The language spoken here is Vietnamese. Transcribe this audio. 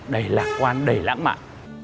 đầy lạc quan đầy lãng mạn